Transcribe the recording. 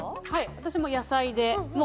私も野菜で。